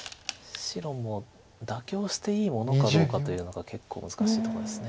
白も妥協していいものかどうかというのが結構難しいとこです。